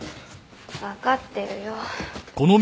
分かってるよ。